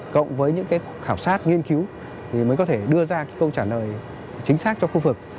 cộng với những cái khảo sát nghiên cứu thì mới có thể đưa ra cái câu trả lời chính xác cho khu vực